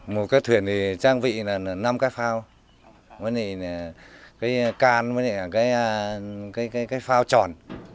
một cái thuyền trang vị là năm cái phao cái can cái phao tròn